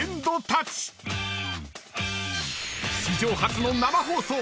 ［史上初の生放送！